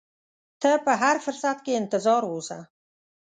ته په هر فرصت کې انتظار اوسه.